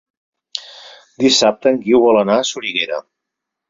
Dissabte en Guiu vol anar a Soriguera.